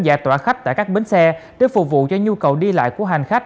giải tỏa khách tại các bến xe để phục vụ cho nhu cầu đi lại của hành khách